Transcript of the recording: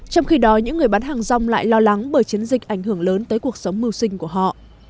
trong khi đó những người bán hàng rong lại lo lắng bởi chiến dịch ảnh hưởng lớn tới cuộc sống mưu sinh của họ